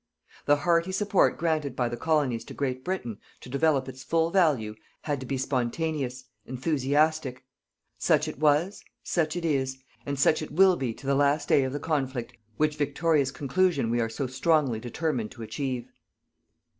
The hearty support granted by the colonies to Great Britain, to develop its full value, had to be spontaneous, enthusiastic. Such it was, such it is, and such it will be to the last day of the conflict which victorious conclusion we are so strongly determined to achieve.